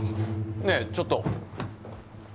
ねえちょっと！